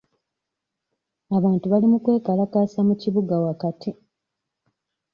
Abantu bali mu kwekalakaasa mu kibuga wakati.